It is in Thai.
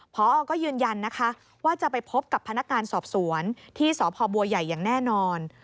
พอก็ยืนยันนะคะว่าจะไปพบกับพนักงานสอบสวนที่สพบัวใหญ่อย่างแน่นอน